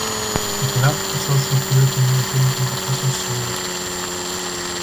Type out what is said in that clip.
The club has also appeared in European competitions several times.